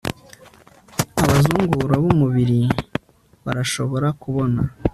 Abazungura bumubiri barashobora kubona